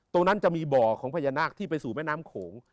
ตรงนั้นจะมีบ่อของพญานาคที่ไปสู่แม่น้ำโขง